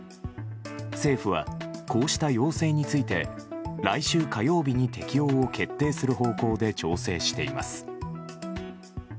政府は、こうした要請について来週火曜日に適用を決定する方向で調整しています。